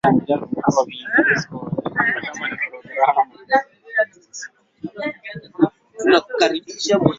doctor jelekela anafafanua zaidi